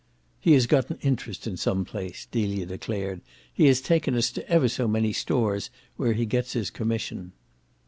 "He has got an interest in some place," Delia declared. "He has taken us to ever so many stores where he gets his commission."